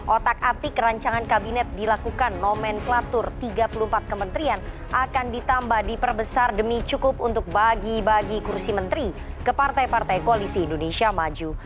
otak atik rancangan kabinet dilakukan nomenklatur tiga puluh empat kementerian akan ditambah diperbesar demi cukup untuk bagi bagi kursi menteri ke partai partai koalisi indonesia maju